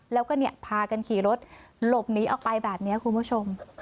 แล้วก็พากันขี่รถหลบหนีออกไปแบบนี้คุณผู้ชม